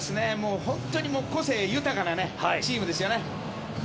本当に個性豊かなチームですよね。